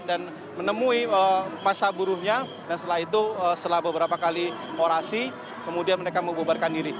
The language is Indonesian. dan menemui masa buruhnya dan setelah itu setelah beberapa kali orasi kemudian mereka membubarkan diri